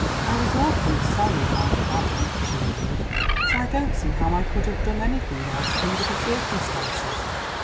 "I was awfully sorry about daddy," she murmured; "but I don't see how I could have done anything else under the circumstances."